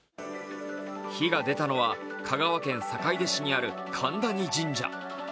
火が出たのは香川県坂出市にある、神谷神社。